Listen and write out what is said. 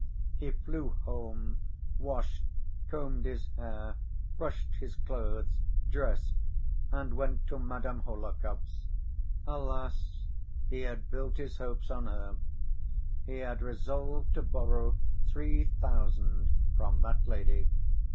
He flew home, washed, combed his hair, brushed his clothes, dressed, and went to Madame Hohlakov's. Alas! he had built his hopes on her. He had resolved to borrow three thousand from that lady.